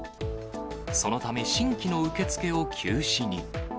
そのため、新規の受け付けを休止に。